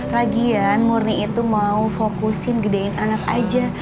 ragian murni itu mau fokusin gedein anak aja